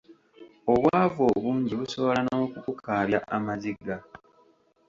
Obwavu obungi busobola n'okukukaabya amaziga.